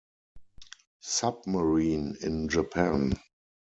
Submarine in Japan.